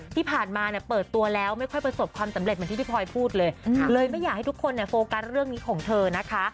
ที่ผ่านมาเนี่ยเปิดตัวแล้วไม่ค่อยประสบความสำเร็จเหมือนที่พี่พลอยพูดเลยเลยไม่อยากให้ทุกคนเนี่ยโฟกัสเรื่องนี้ของเธอนะคะ